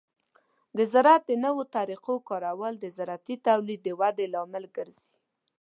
د زراعت د نوو طریقو کارول د زراعتي تولید د ودې لامل ګرځي.